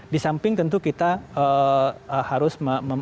disamping tentu kita harus